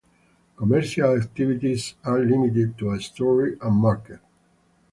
Commercial activities are limited to a store and market.